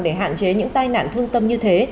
để hạn chế những tai nạn thương tâm như thế